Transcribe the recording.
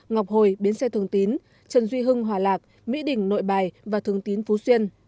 ngọc hồi biến xe thường tín trần duy hưng hòa lạc mỹ đình nội bài và thường tín phú xuyên